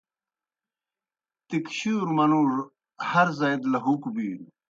تِکشُوروْ منُوڙوْ ہر زائی دہ لہُوکوْ بِینوْ۔